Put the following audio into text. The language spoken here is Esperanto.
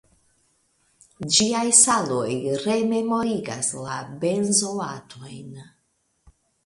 Ĝiaj saloj rememorigas la benzoatojn.